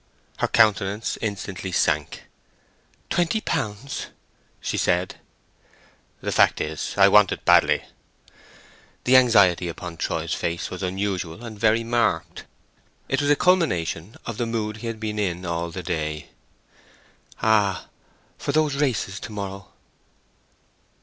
Her countenance instantly sank. "Twenty pounds?" she said. "The fact is, I want it badly." The anxiety upon Troy's face was unusual and very marked. It was a culmination of the mood he had been in all the day. "Ah! for those races to morrow."